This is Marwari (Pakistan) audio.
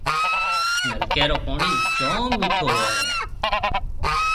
نلڪيَ رو پوڻِي جوم مِيٺو هوئي هيَ۔